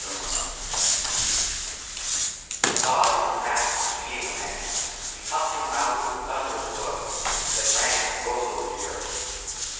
^9 XIX A GOD IN WRATH WAS BEATING A MAN; HE CUFFED HIM LOUDLY WITH THUNDEROUS BLOWS THAT RANG AND ROLLED OVER THE EARTH.